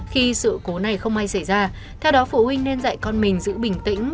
khi sự cố này không may xảy ra theo đó phụ huynh nên dạy con mình giữ bình tĩnh